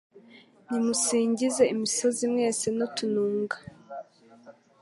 Nimumusingize misozi mwese n’utununga